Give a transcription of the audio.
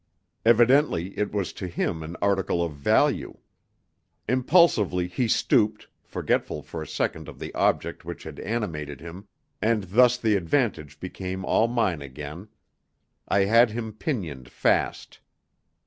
Evidently it was to him an article of value. Impulsively he stooped, forgetful for a second of the object which had animated him, and thus the advantage became all mine again. I had him pinioned fast.